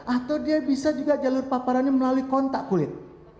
atau dia bisa juga jalur paparannya melalui kontak kulit